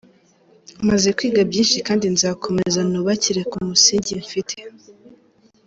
Maze kwiga byinshi kandi nzakomeza nubakire ku musingi mfite”.